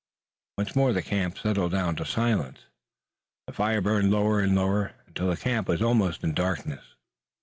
Once more the camp settled down to silence. The fire burned lower and lower until the camp was almost in darkness.